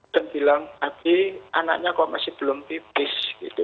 dan bilang abie anaknya kok masih belum pipis